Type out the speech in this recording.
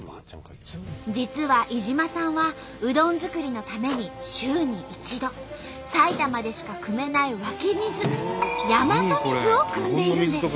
実は井島さんはうどん作りのために週に一度埼玉でしかくめない湧き水日本水をくんでいるんです。